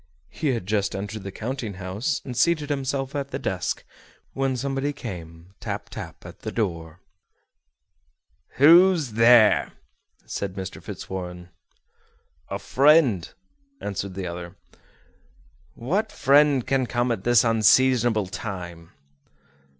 He had just entered the counting house, and seated himself at the desk, when somebody came, tap, tap, at the door. "Who's there?" said Mr. Fitzwarren. "A friend," answered the other. "What friend can come at this unseasonable time?"